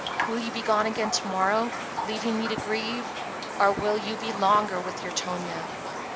Will you be gone again to morrow, leaving me to grieve, or will you be longer with your Tonia?"